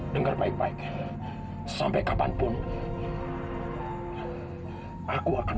dengar baik baik sampai kapanpun